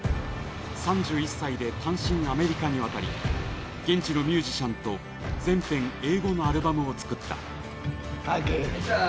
３１歳で単身アメリカに渡り現地のミュージシャンと全編英語のアルバムを作った。